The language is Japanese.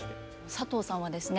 佐藤さんはですね